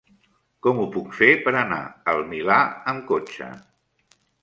Com ho puc fer per anar al Milà amb cotxe?